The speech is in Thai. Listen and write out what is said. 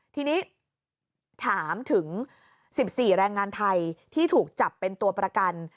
ทีนี้ถามถึง๑๔แรงงานไทยที่ถูกจับเป็นตัวประกัน